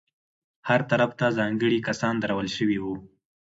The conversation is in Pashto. هر طرف ته ځانګړي کسان درول شوي وو.